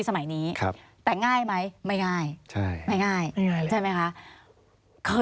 สวัสดีค่ะที่จอมฝันครับ